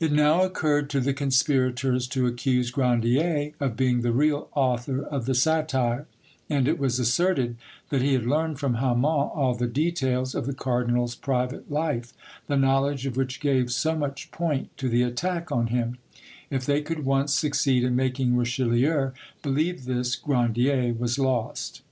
It now occurred to the conspirators to accuse Grandier of being the real author of the satire; and it was asserted that he had learned from Hammon all the details of the cardinal's private life, the knowledge of which gave so much point to the attack on him; if they could once succeed in making Richelieu believe this, Grandier was lost.